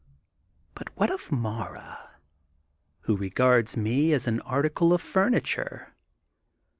But what of Mara, who regards me as an article of furniture?